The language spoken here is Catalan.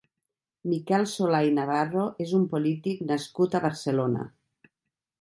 Miquel Solà i Navarro és un polític nascut a Barcelona.